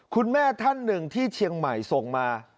คุณแม่ท่านหนึ่งที่เชียงใหม่ส่งมา